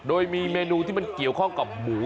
โดยมีเมนูที่มันเกี่ยวข้องกับหมู